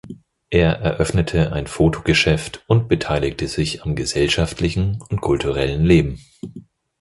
Er eröffnete ein Fotogeschäft und beteiligte sich am gesellschaftlichen und kulturellen Leben.